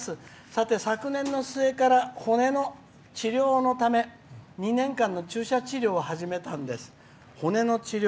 さて、昨年の末から骨の治療のため２年間の注射治療を始めたんです。